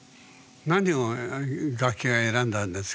何を楽器は選んだんですか？